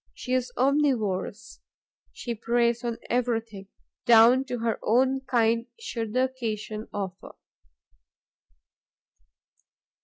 She is omnivorous, she preys on everything, down to her own kind, should the occasion offer.